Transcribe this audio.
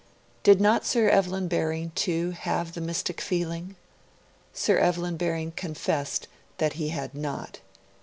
Did not Sir Evelyn Baring, too, have the mystic feeling? Sir Evelyn Baring confessed that he had not.